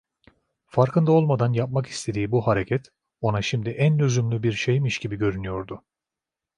Farkında olmadan yapmak istediği bu hareket, ona şimdi en lüzumlu bir şeymiş gibi görünüyordu.